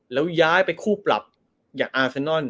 แล้วย้ายไปคู่ปรับอย่างอาเซนนอน